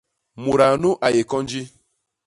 Mudaa nu a yé konji!